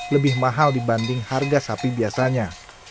lebih mahal dibanding harga sapi biasanya